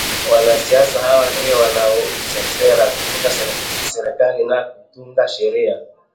Wanasiasa hawa ndio wanaouza sera, kuunda serikali na kutunga sheria